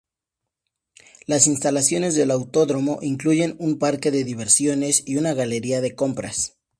Las instalaciones del autódromo incluyen un parque de diversiones y una galería de compras.